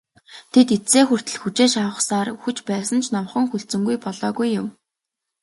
Тэд эцсээ хүртэл хүчээ шавхсаар үхэж байсан ч номхон хүлцэнгүй болоогүй юм.